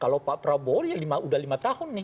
kalau pak prabowo ya udah lima tahun nih